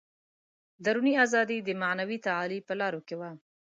دروني ازادي د معنوي تعالي په لارو کې وه.